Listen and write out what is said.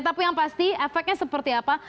tapi yang pasti efeknya seperti apa